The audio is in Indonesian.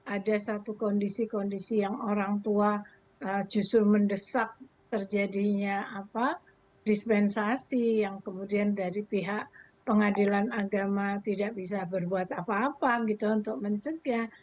ada satu kondisi kondisi yang orang tua justru mendesak terjadinya dispensasi yang kemudian dari pihak pengadilan agama tidak bisa berbuat apa apa gitu untuk mencegah